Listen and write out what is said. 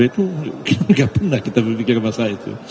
itu tidak pernah kita berpikir masalah itu